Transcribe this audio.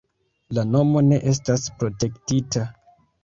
La nomo ne estas protektita.